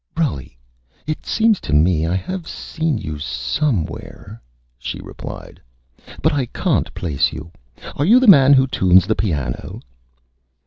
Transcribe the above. "Rully, it seems to me I have seen you, Somewhere," she replied, "but I cahn't place you. Are you the Man who tunes the Piano?"